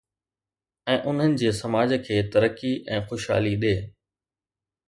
۽ انهن جي سماج کي ترقي ۽ خوشحالي ڏئي